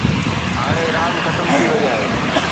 هاڻي راند ختم ٿي وئي آهي.